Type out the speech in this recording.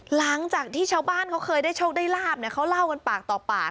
หลังจากที่ชาวบ้านเขาเคยได้โชคได้ลาบเนี่ยเขาเล่ากันปากต่อปาก